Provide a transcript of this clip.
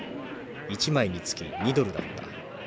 １枚につき２ドルだった。